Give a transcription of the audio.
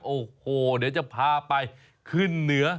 โอ้โหเดี๋ยวจะพาไปขึ้นเหนือ